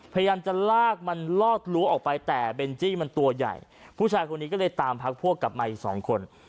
พยายามจะลากมันลอดรั้วออกไปแต่เบนจี้มันตัวใหญ่ผู้ชายคนนี้ก็เลยตามพักพวกกลับมาอีกสองคน